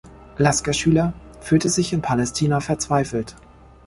Lasker-Schüler fühlte sich in Palästina verzweifelt.